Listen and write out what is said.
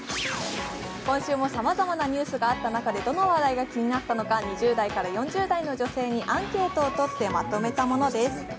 今週もさまざまなニュースがあった中で、どのニュースに興味があったのか２０代から４０代の女性にアンケートをとってまとめたものです。